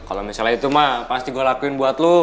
kalo misalnya itu ma pasti gue lakuin buat lo